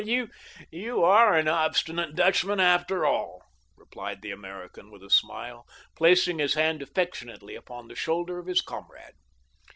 "Well, you are an obstinate Dutchman, after all," replied the American with a smile, placing his hand affectionately upon the shoulder of his comrade.